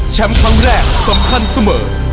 ครั้งแรกสำคัญเสมอ